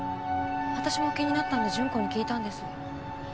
わたしも気になったんで順子に聞いたんです。